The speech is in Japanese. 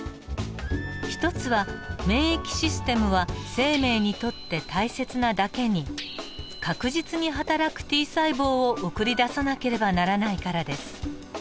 一つは免疫システムは生命にとって大切なだけに確実にはたらくＴ細胞を送り出さなければならないからです。